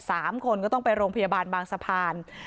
สามคนก็ต้องไปโรงพยาบาลบางสะพาน